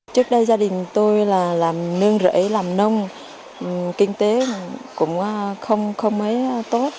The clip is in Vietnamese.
trước đây gia đình tôi là nương rễ làm nông kinh tế cũng không mấy tốt